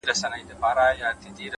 مثبت بدلون له دننه پیلېږي،